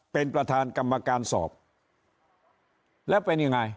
เป็นประธานกรรมการสอบแล้วเป็นยังไง